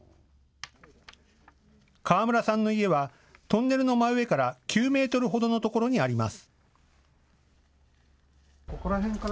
河村さんの家はトンネルの真上から９メートルほどの所にあります。